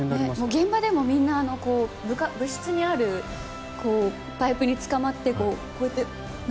現場でも部室にあるパイプにつかまってこうやって。